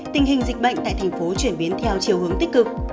tình hình dịch bệnh tại tp hcm chuyển biến theo chiều hướng tích cực